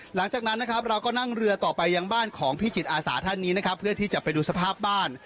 หลังจากนั้นนะครับเราก็นั่งเรือต่อไปยังบ้านของพี่จิตอาสาท่านนี้นะครับเพื่อที่จะไปดูสภาพบ้าน